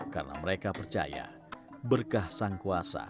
karena mereka percaya berkah sang kuasa